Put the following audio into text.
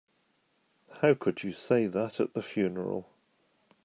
How could you say that at the funeral?